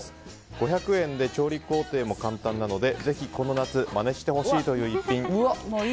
５００円で調理工程も簡単なのでぜひこの夏まねしてほしいという一品。